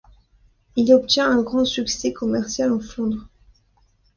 Il obtient un grand succès commercial en Flandre.